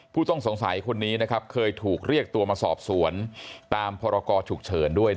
ผู้ต้องสงสัยคนนี้เคยถูกเรียกตัวมาสอบสวนตามพรกรฉุกเฉินด้วย